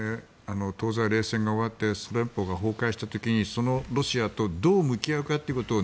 東西冷戦が終わってソ連邦が崩壊した時にそのロシアとどう向き合うかということを